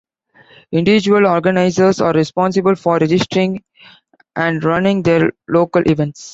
Individual organizers are responsible for registering and running their local events.